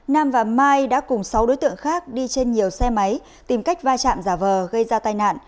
nam và mai đã cùng sáu đối tượng khác đi trên nhiều xe máy tìm cách va chạm giả vờ gây ra tai nạn